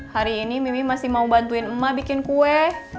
hari ini mimi masih mau bantuin emak bikin kue